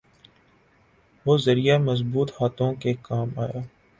وہ ذریعہ مضبوط ہاتھوں کے کام آیا۔